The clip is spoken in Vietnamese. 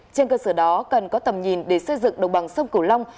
trên cơ sở đó cần có tầm nhìn để xây dựng đồng bằng sông cửu long